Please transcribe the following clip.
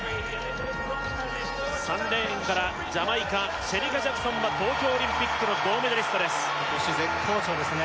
３レーンからジャマイカシェリカ・ジャクソンは東京オリンピックの銅メダリストです今年絶好調ですね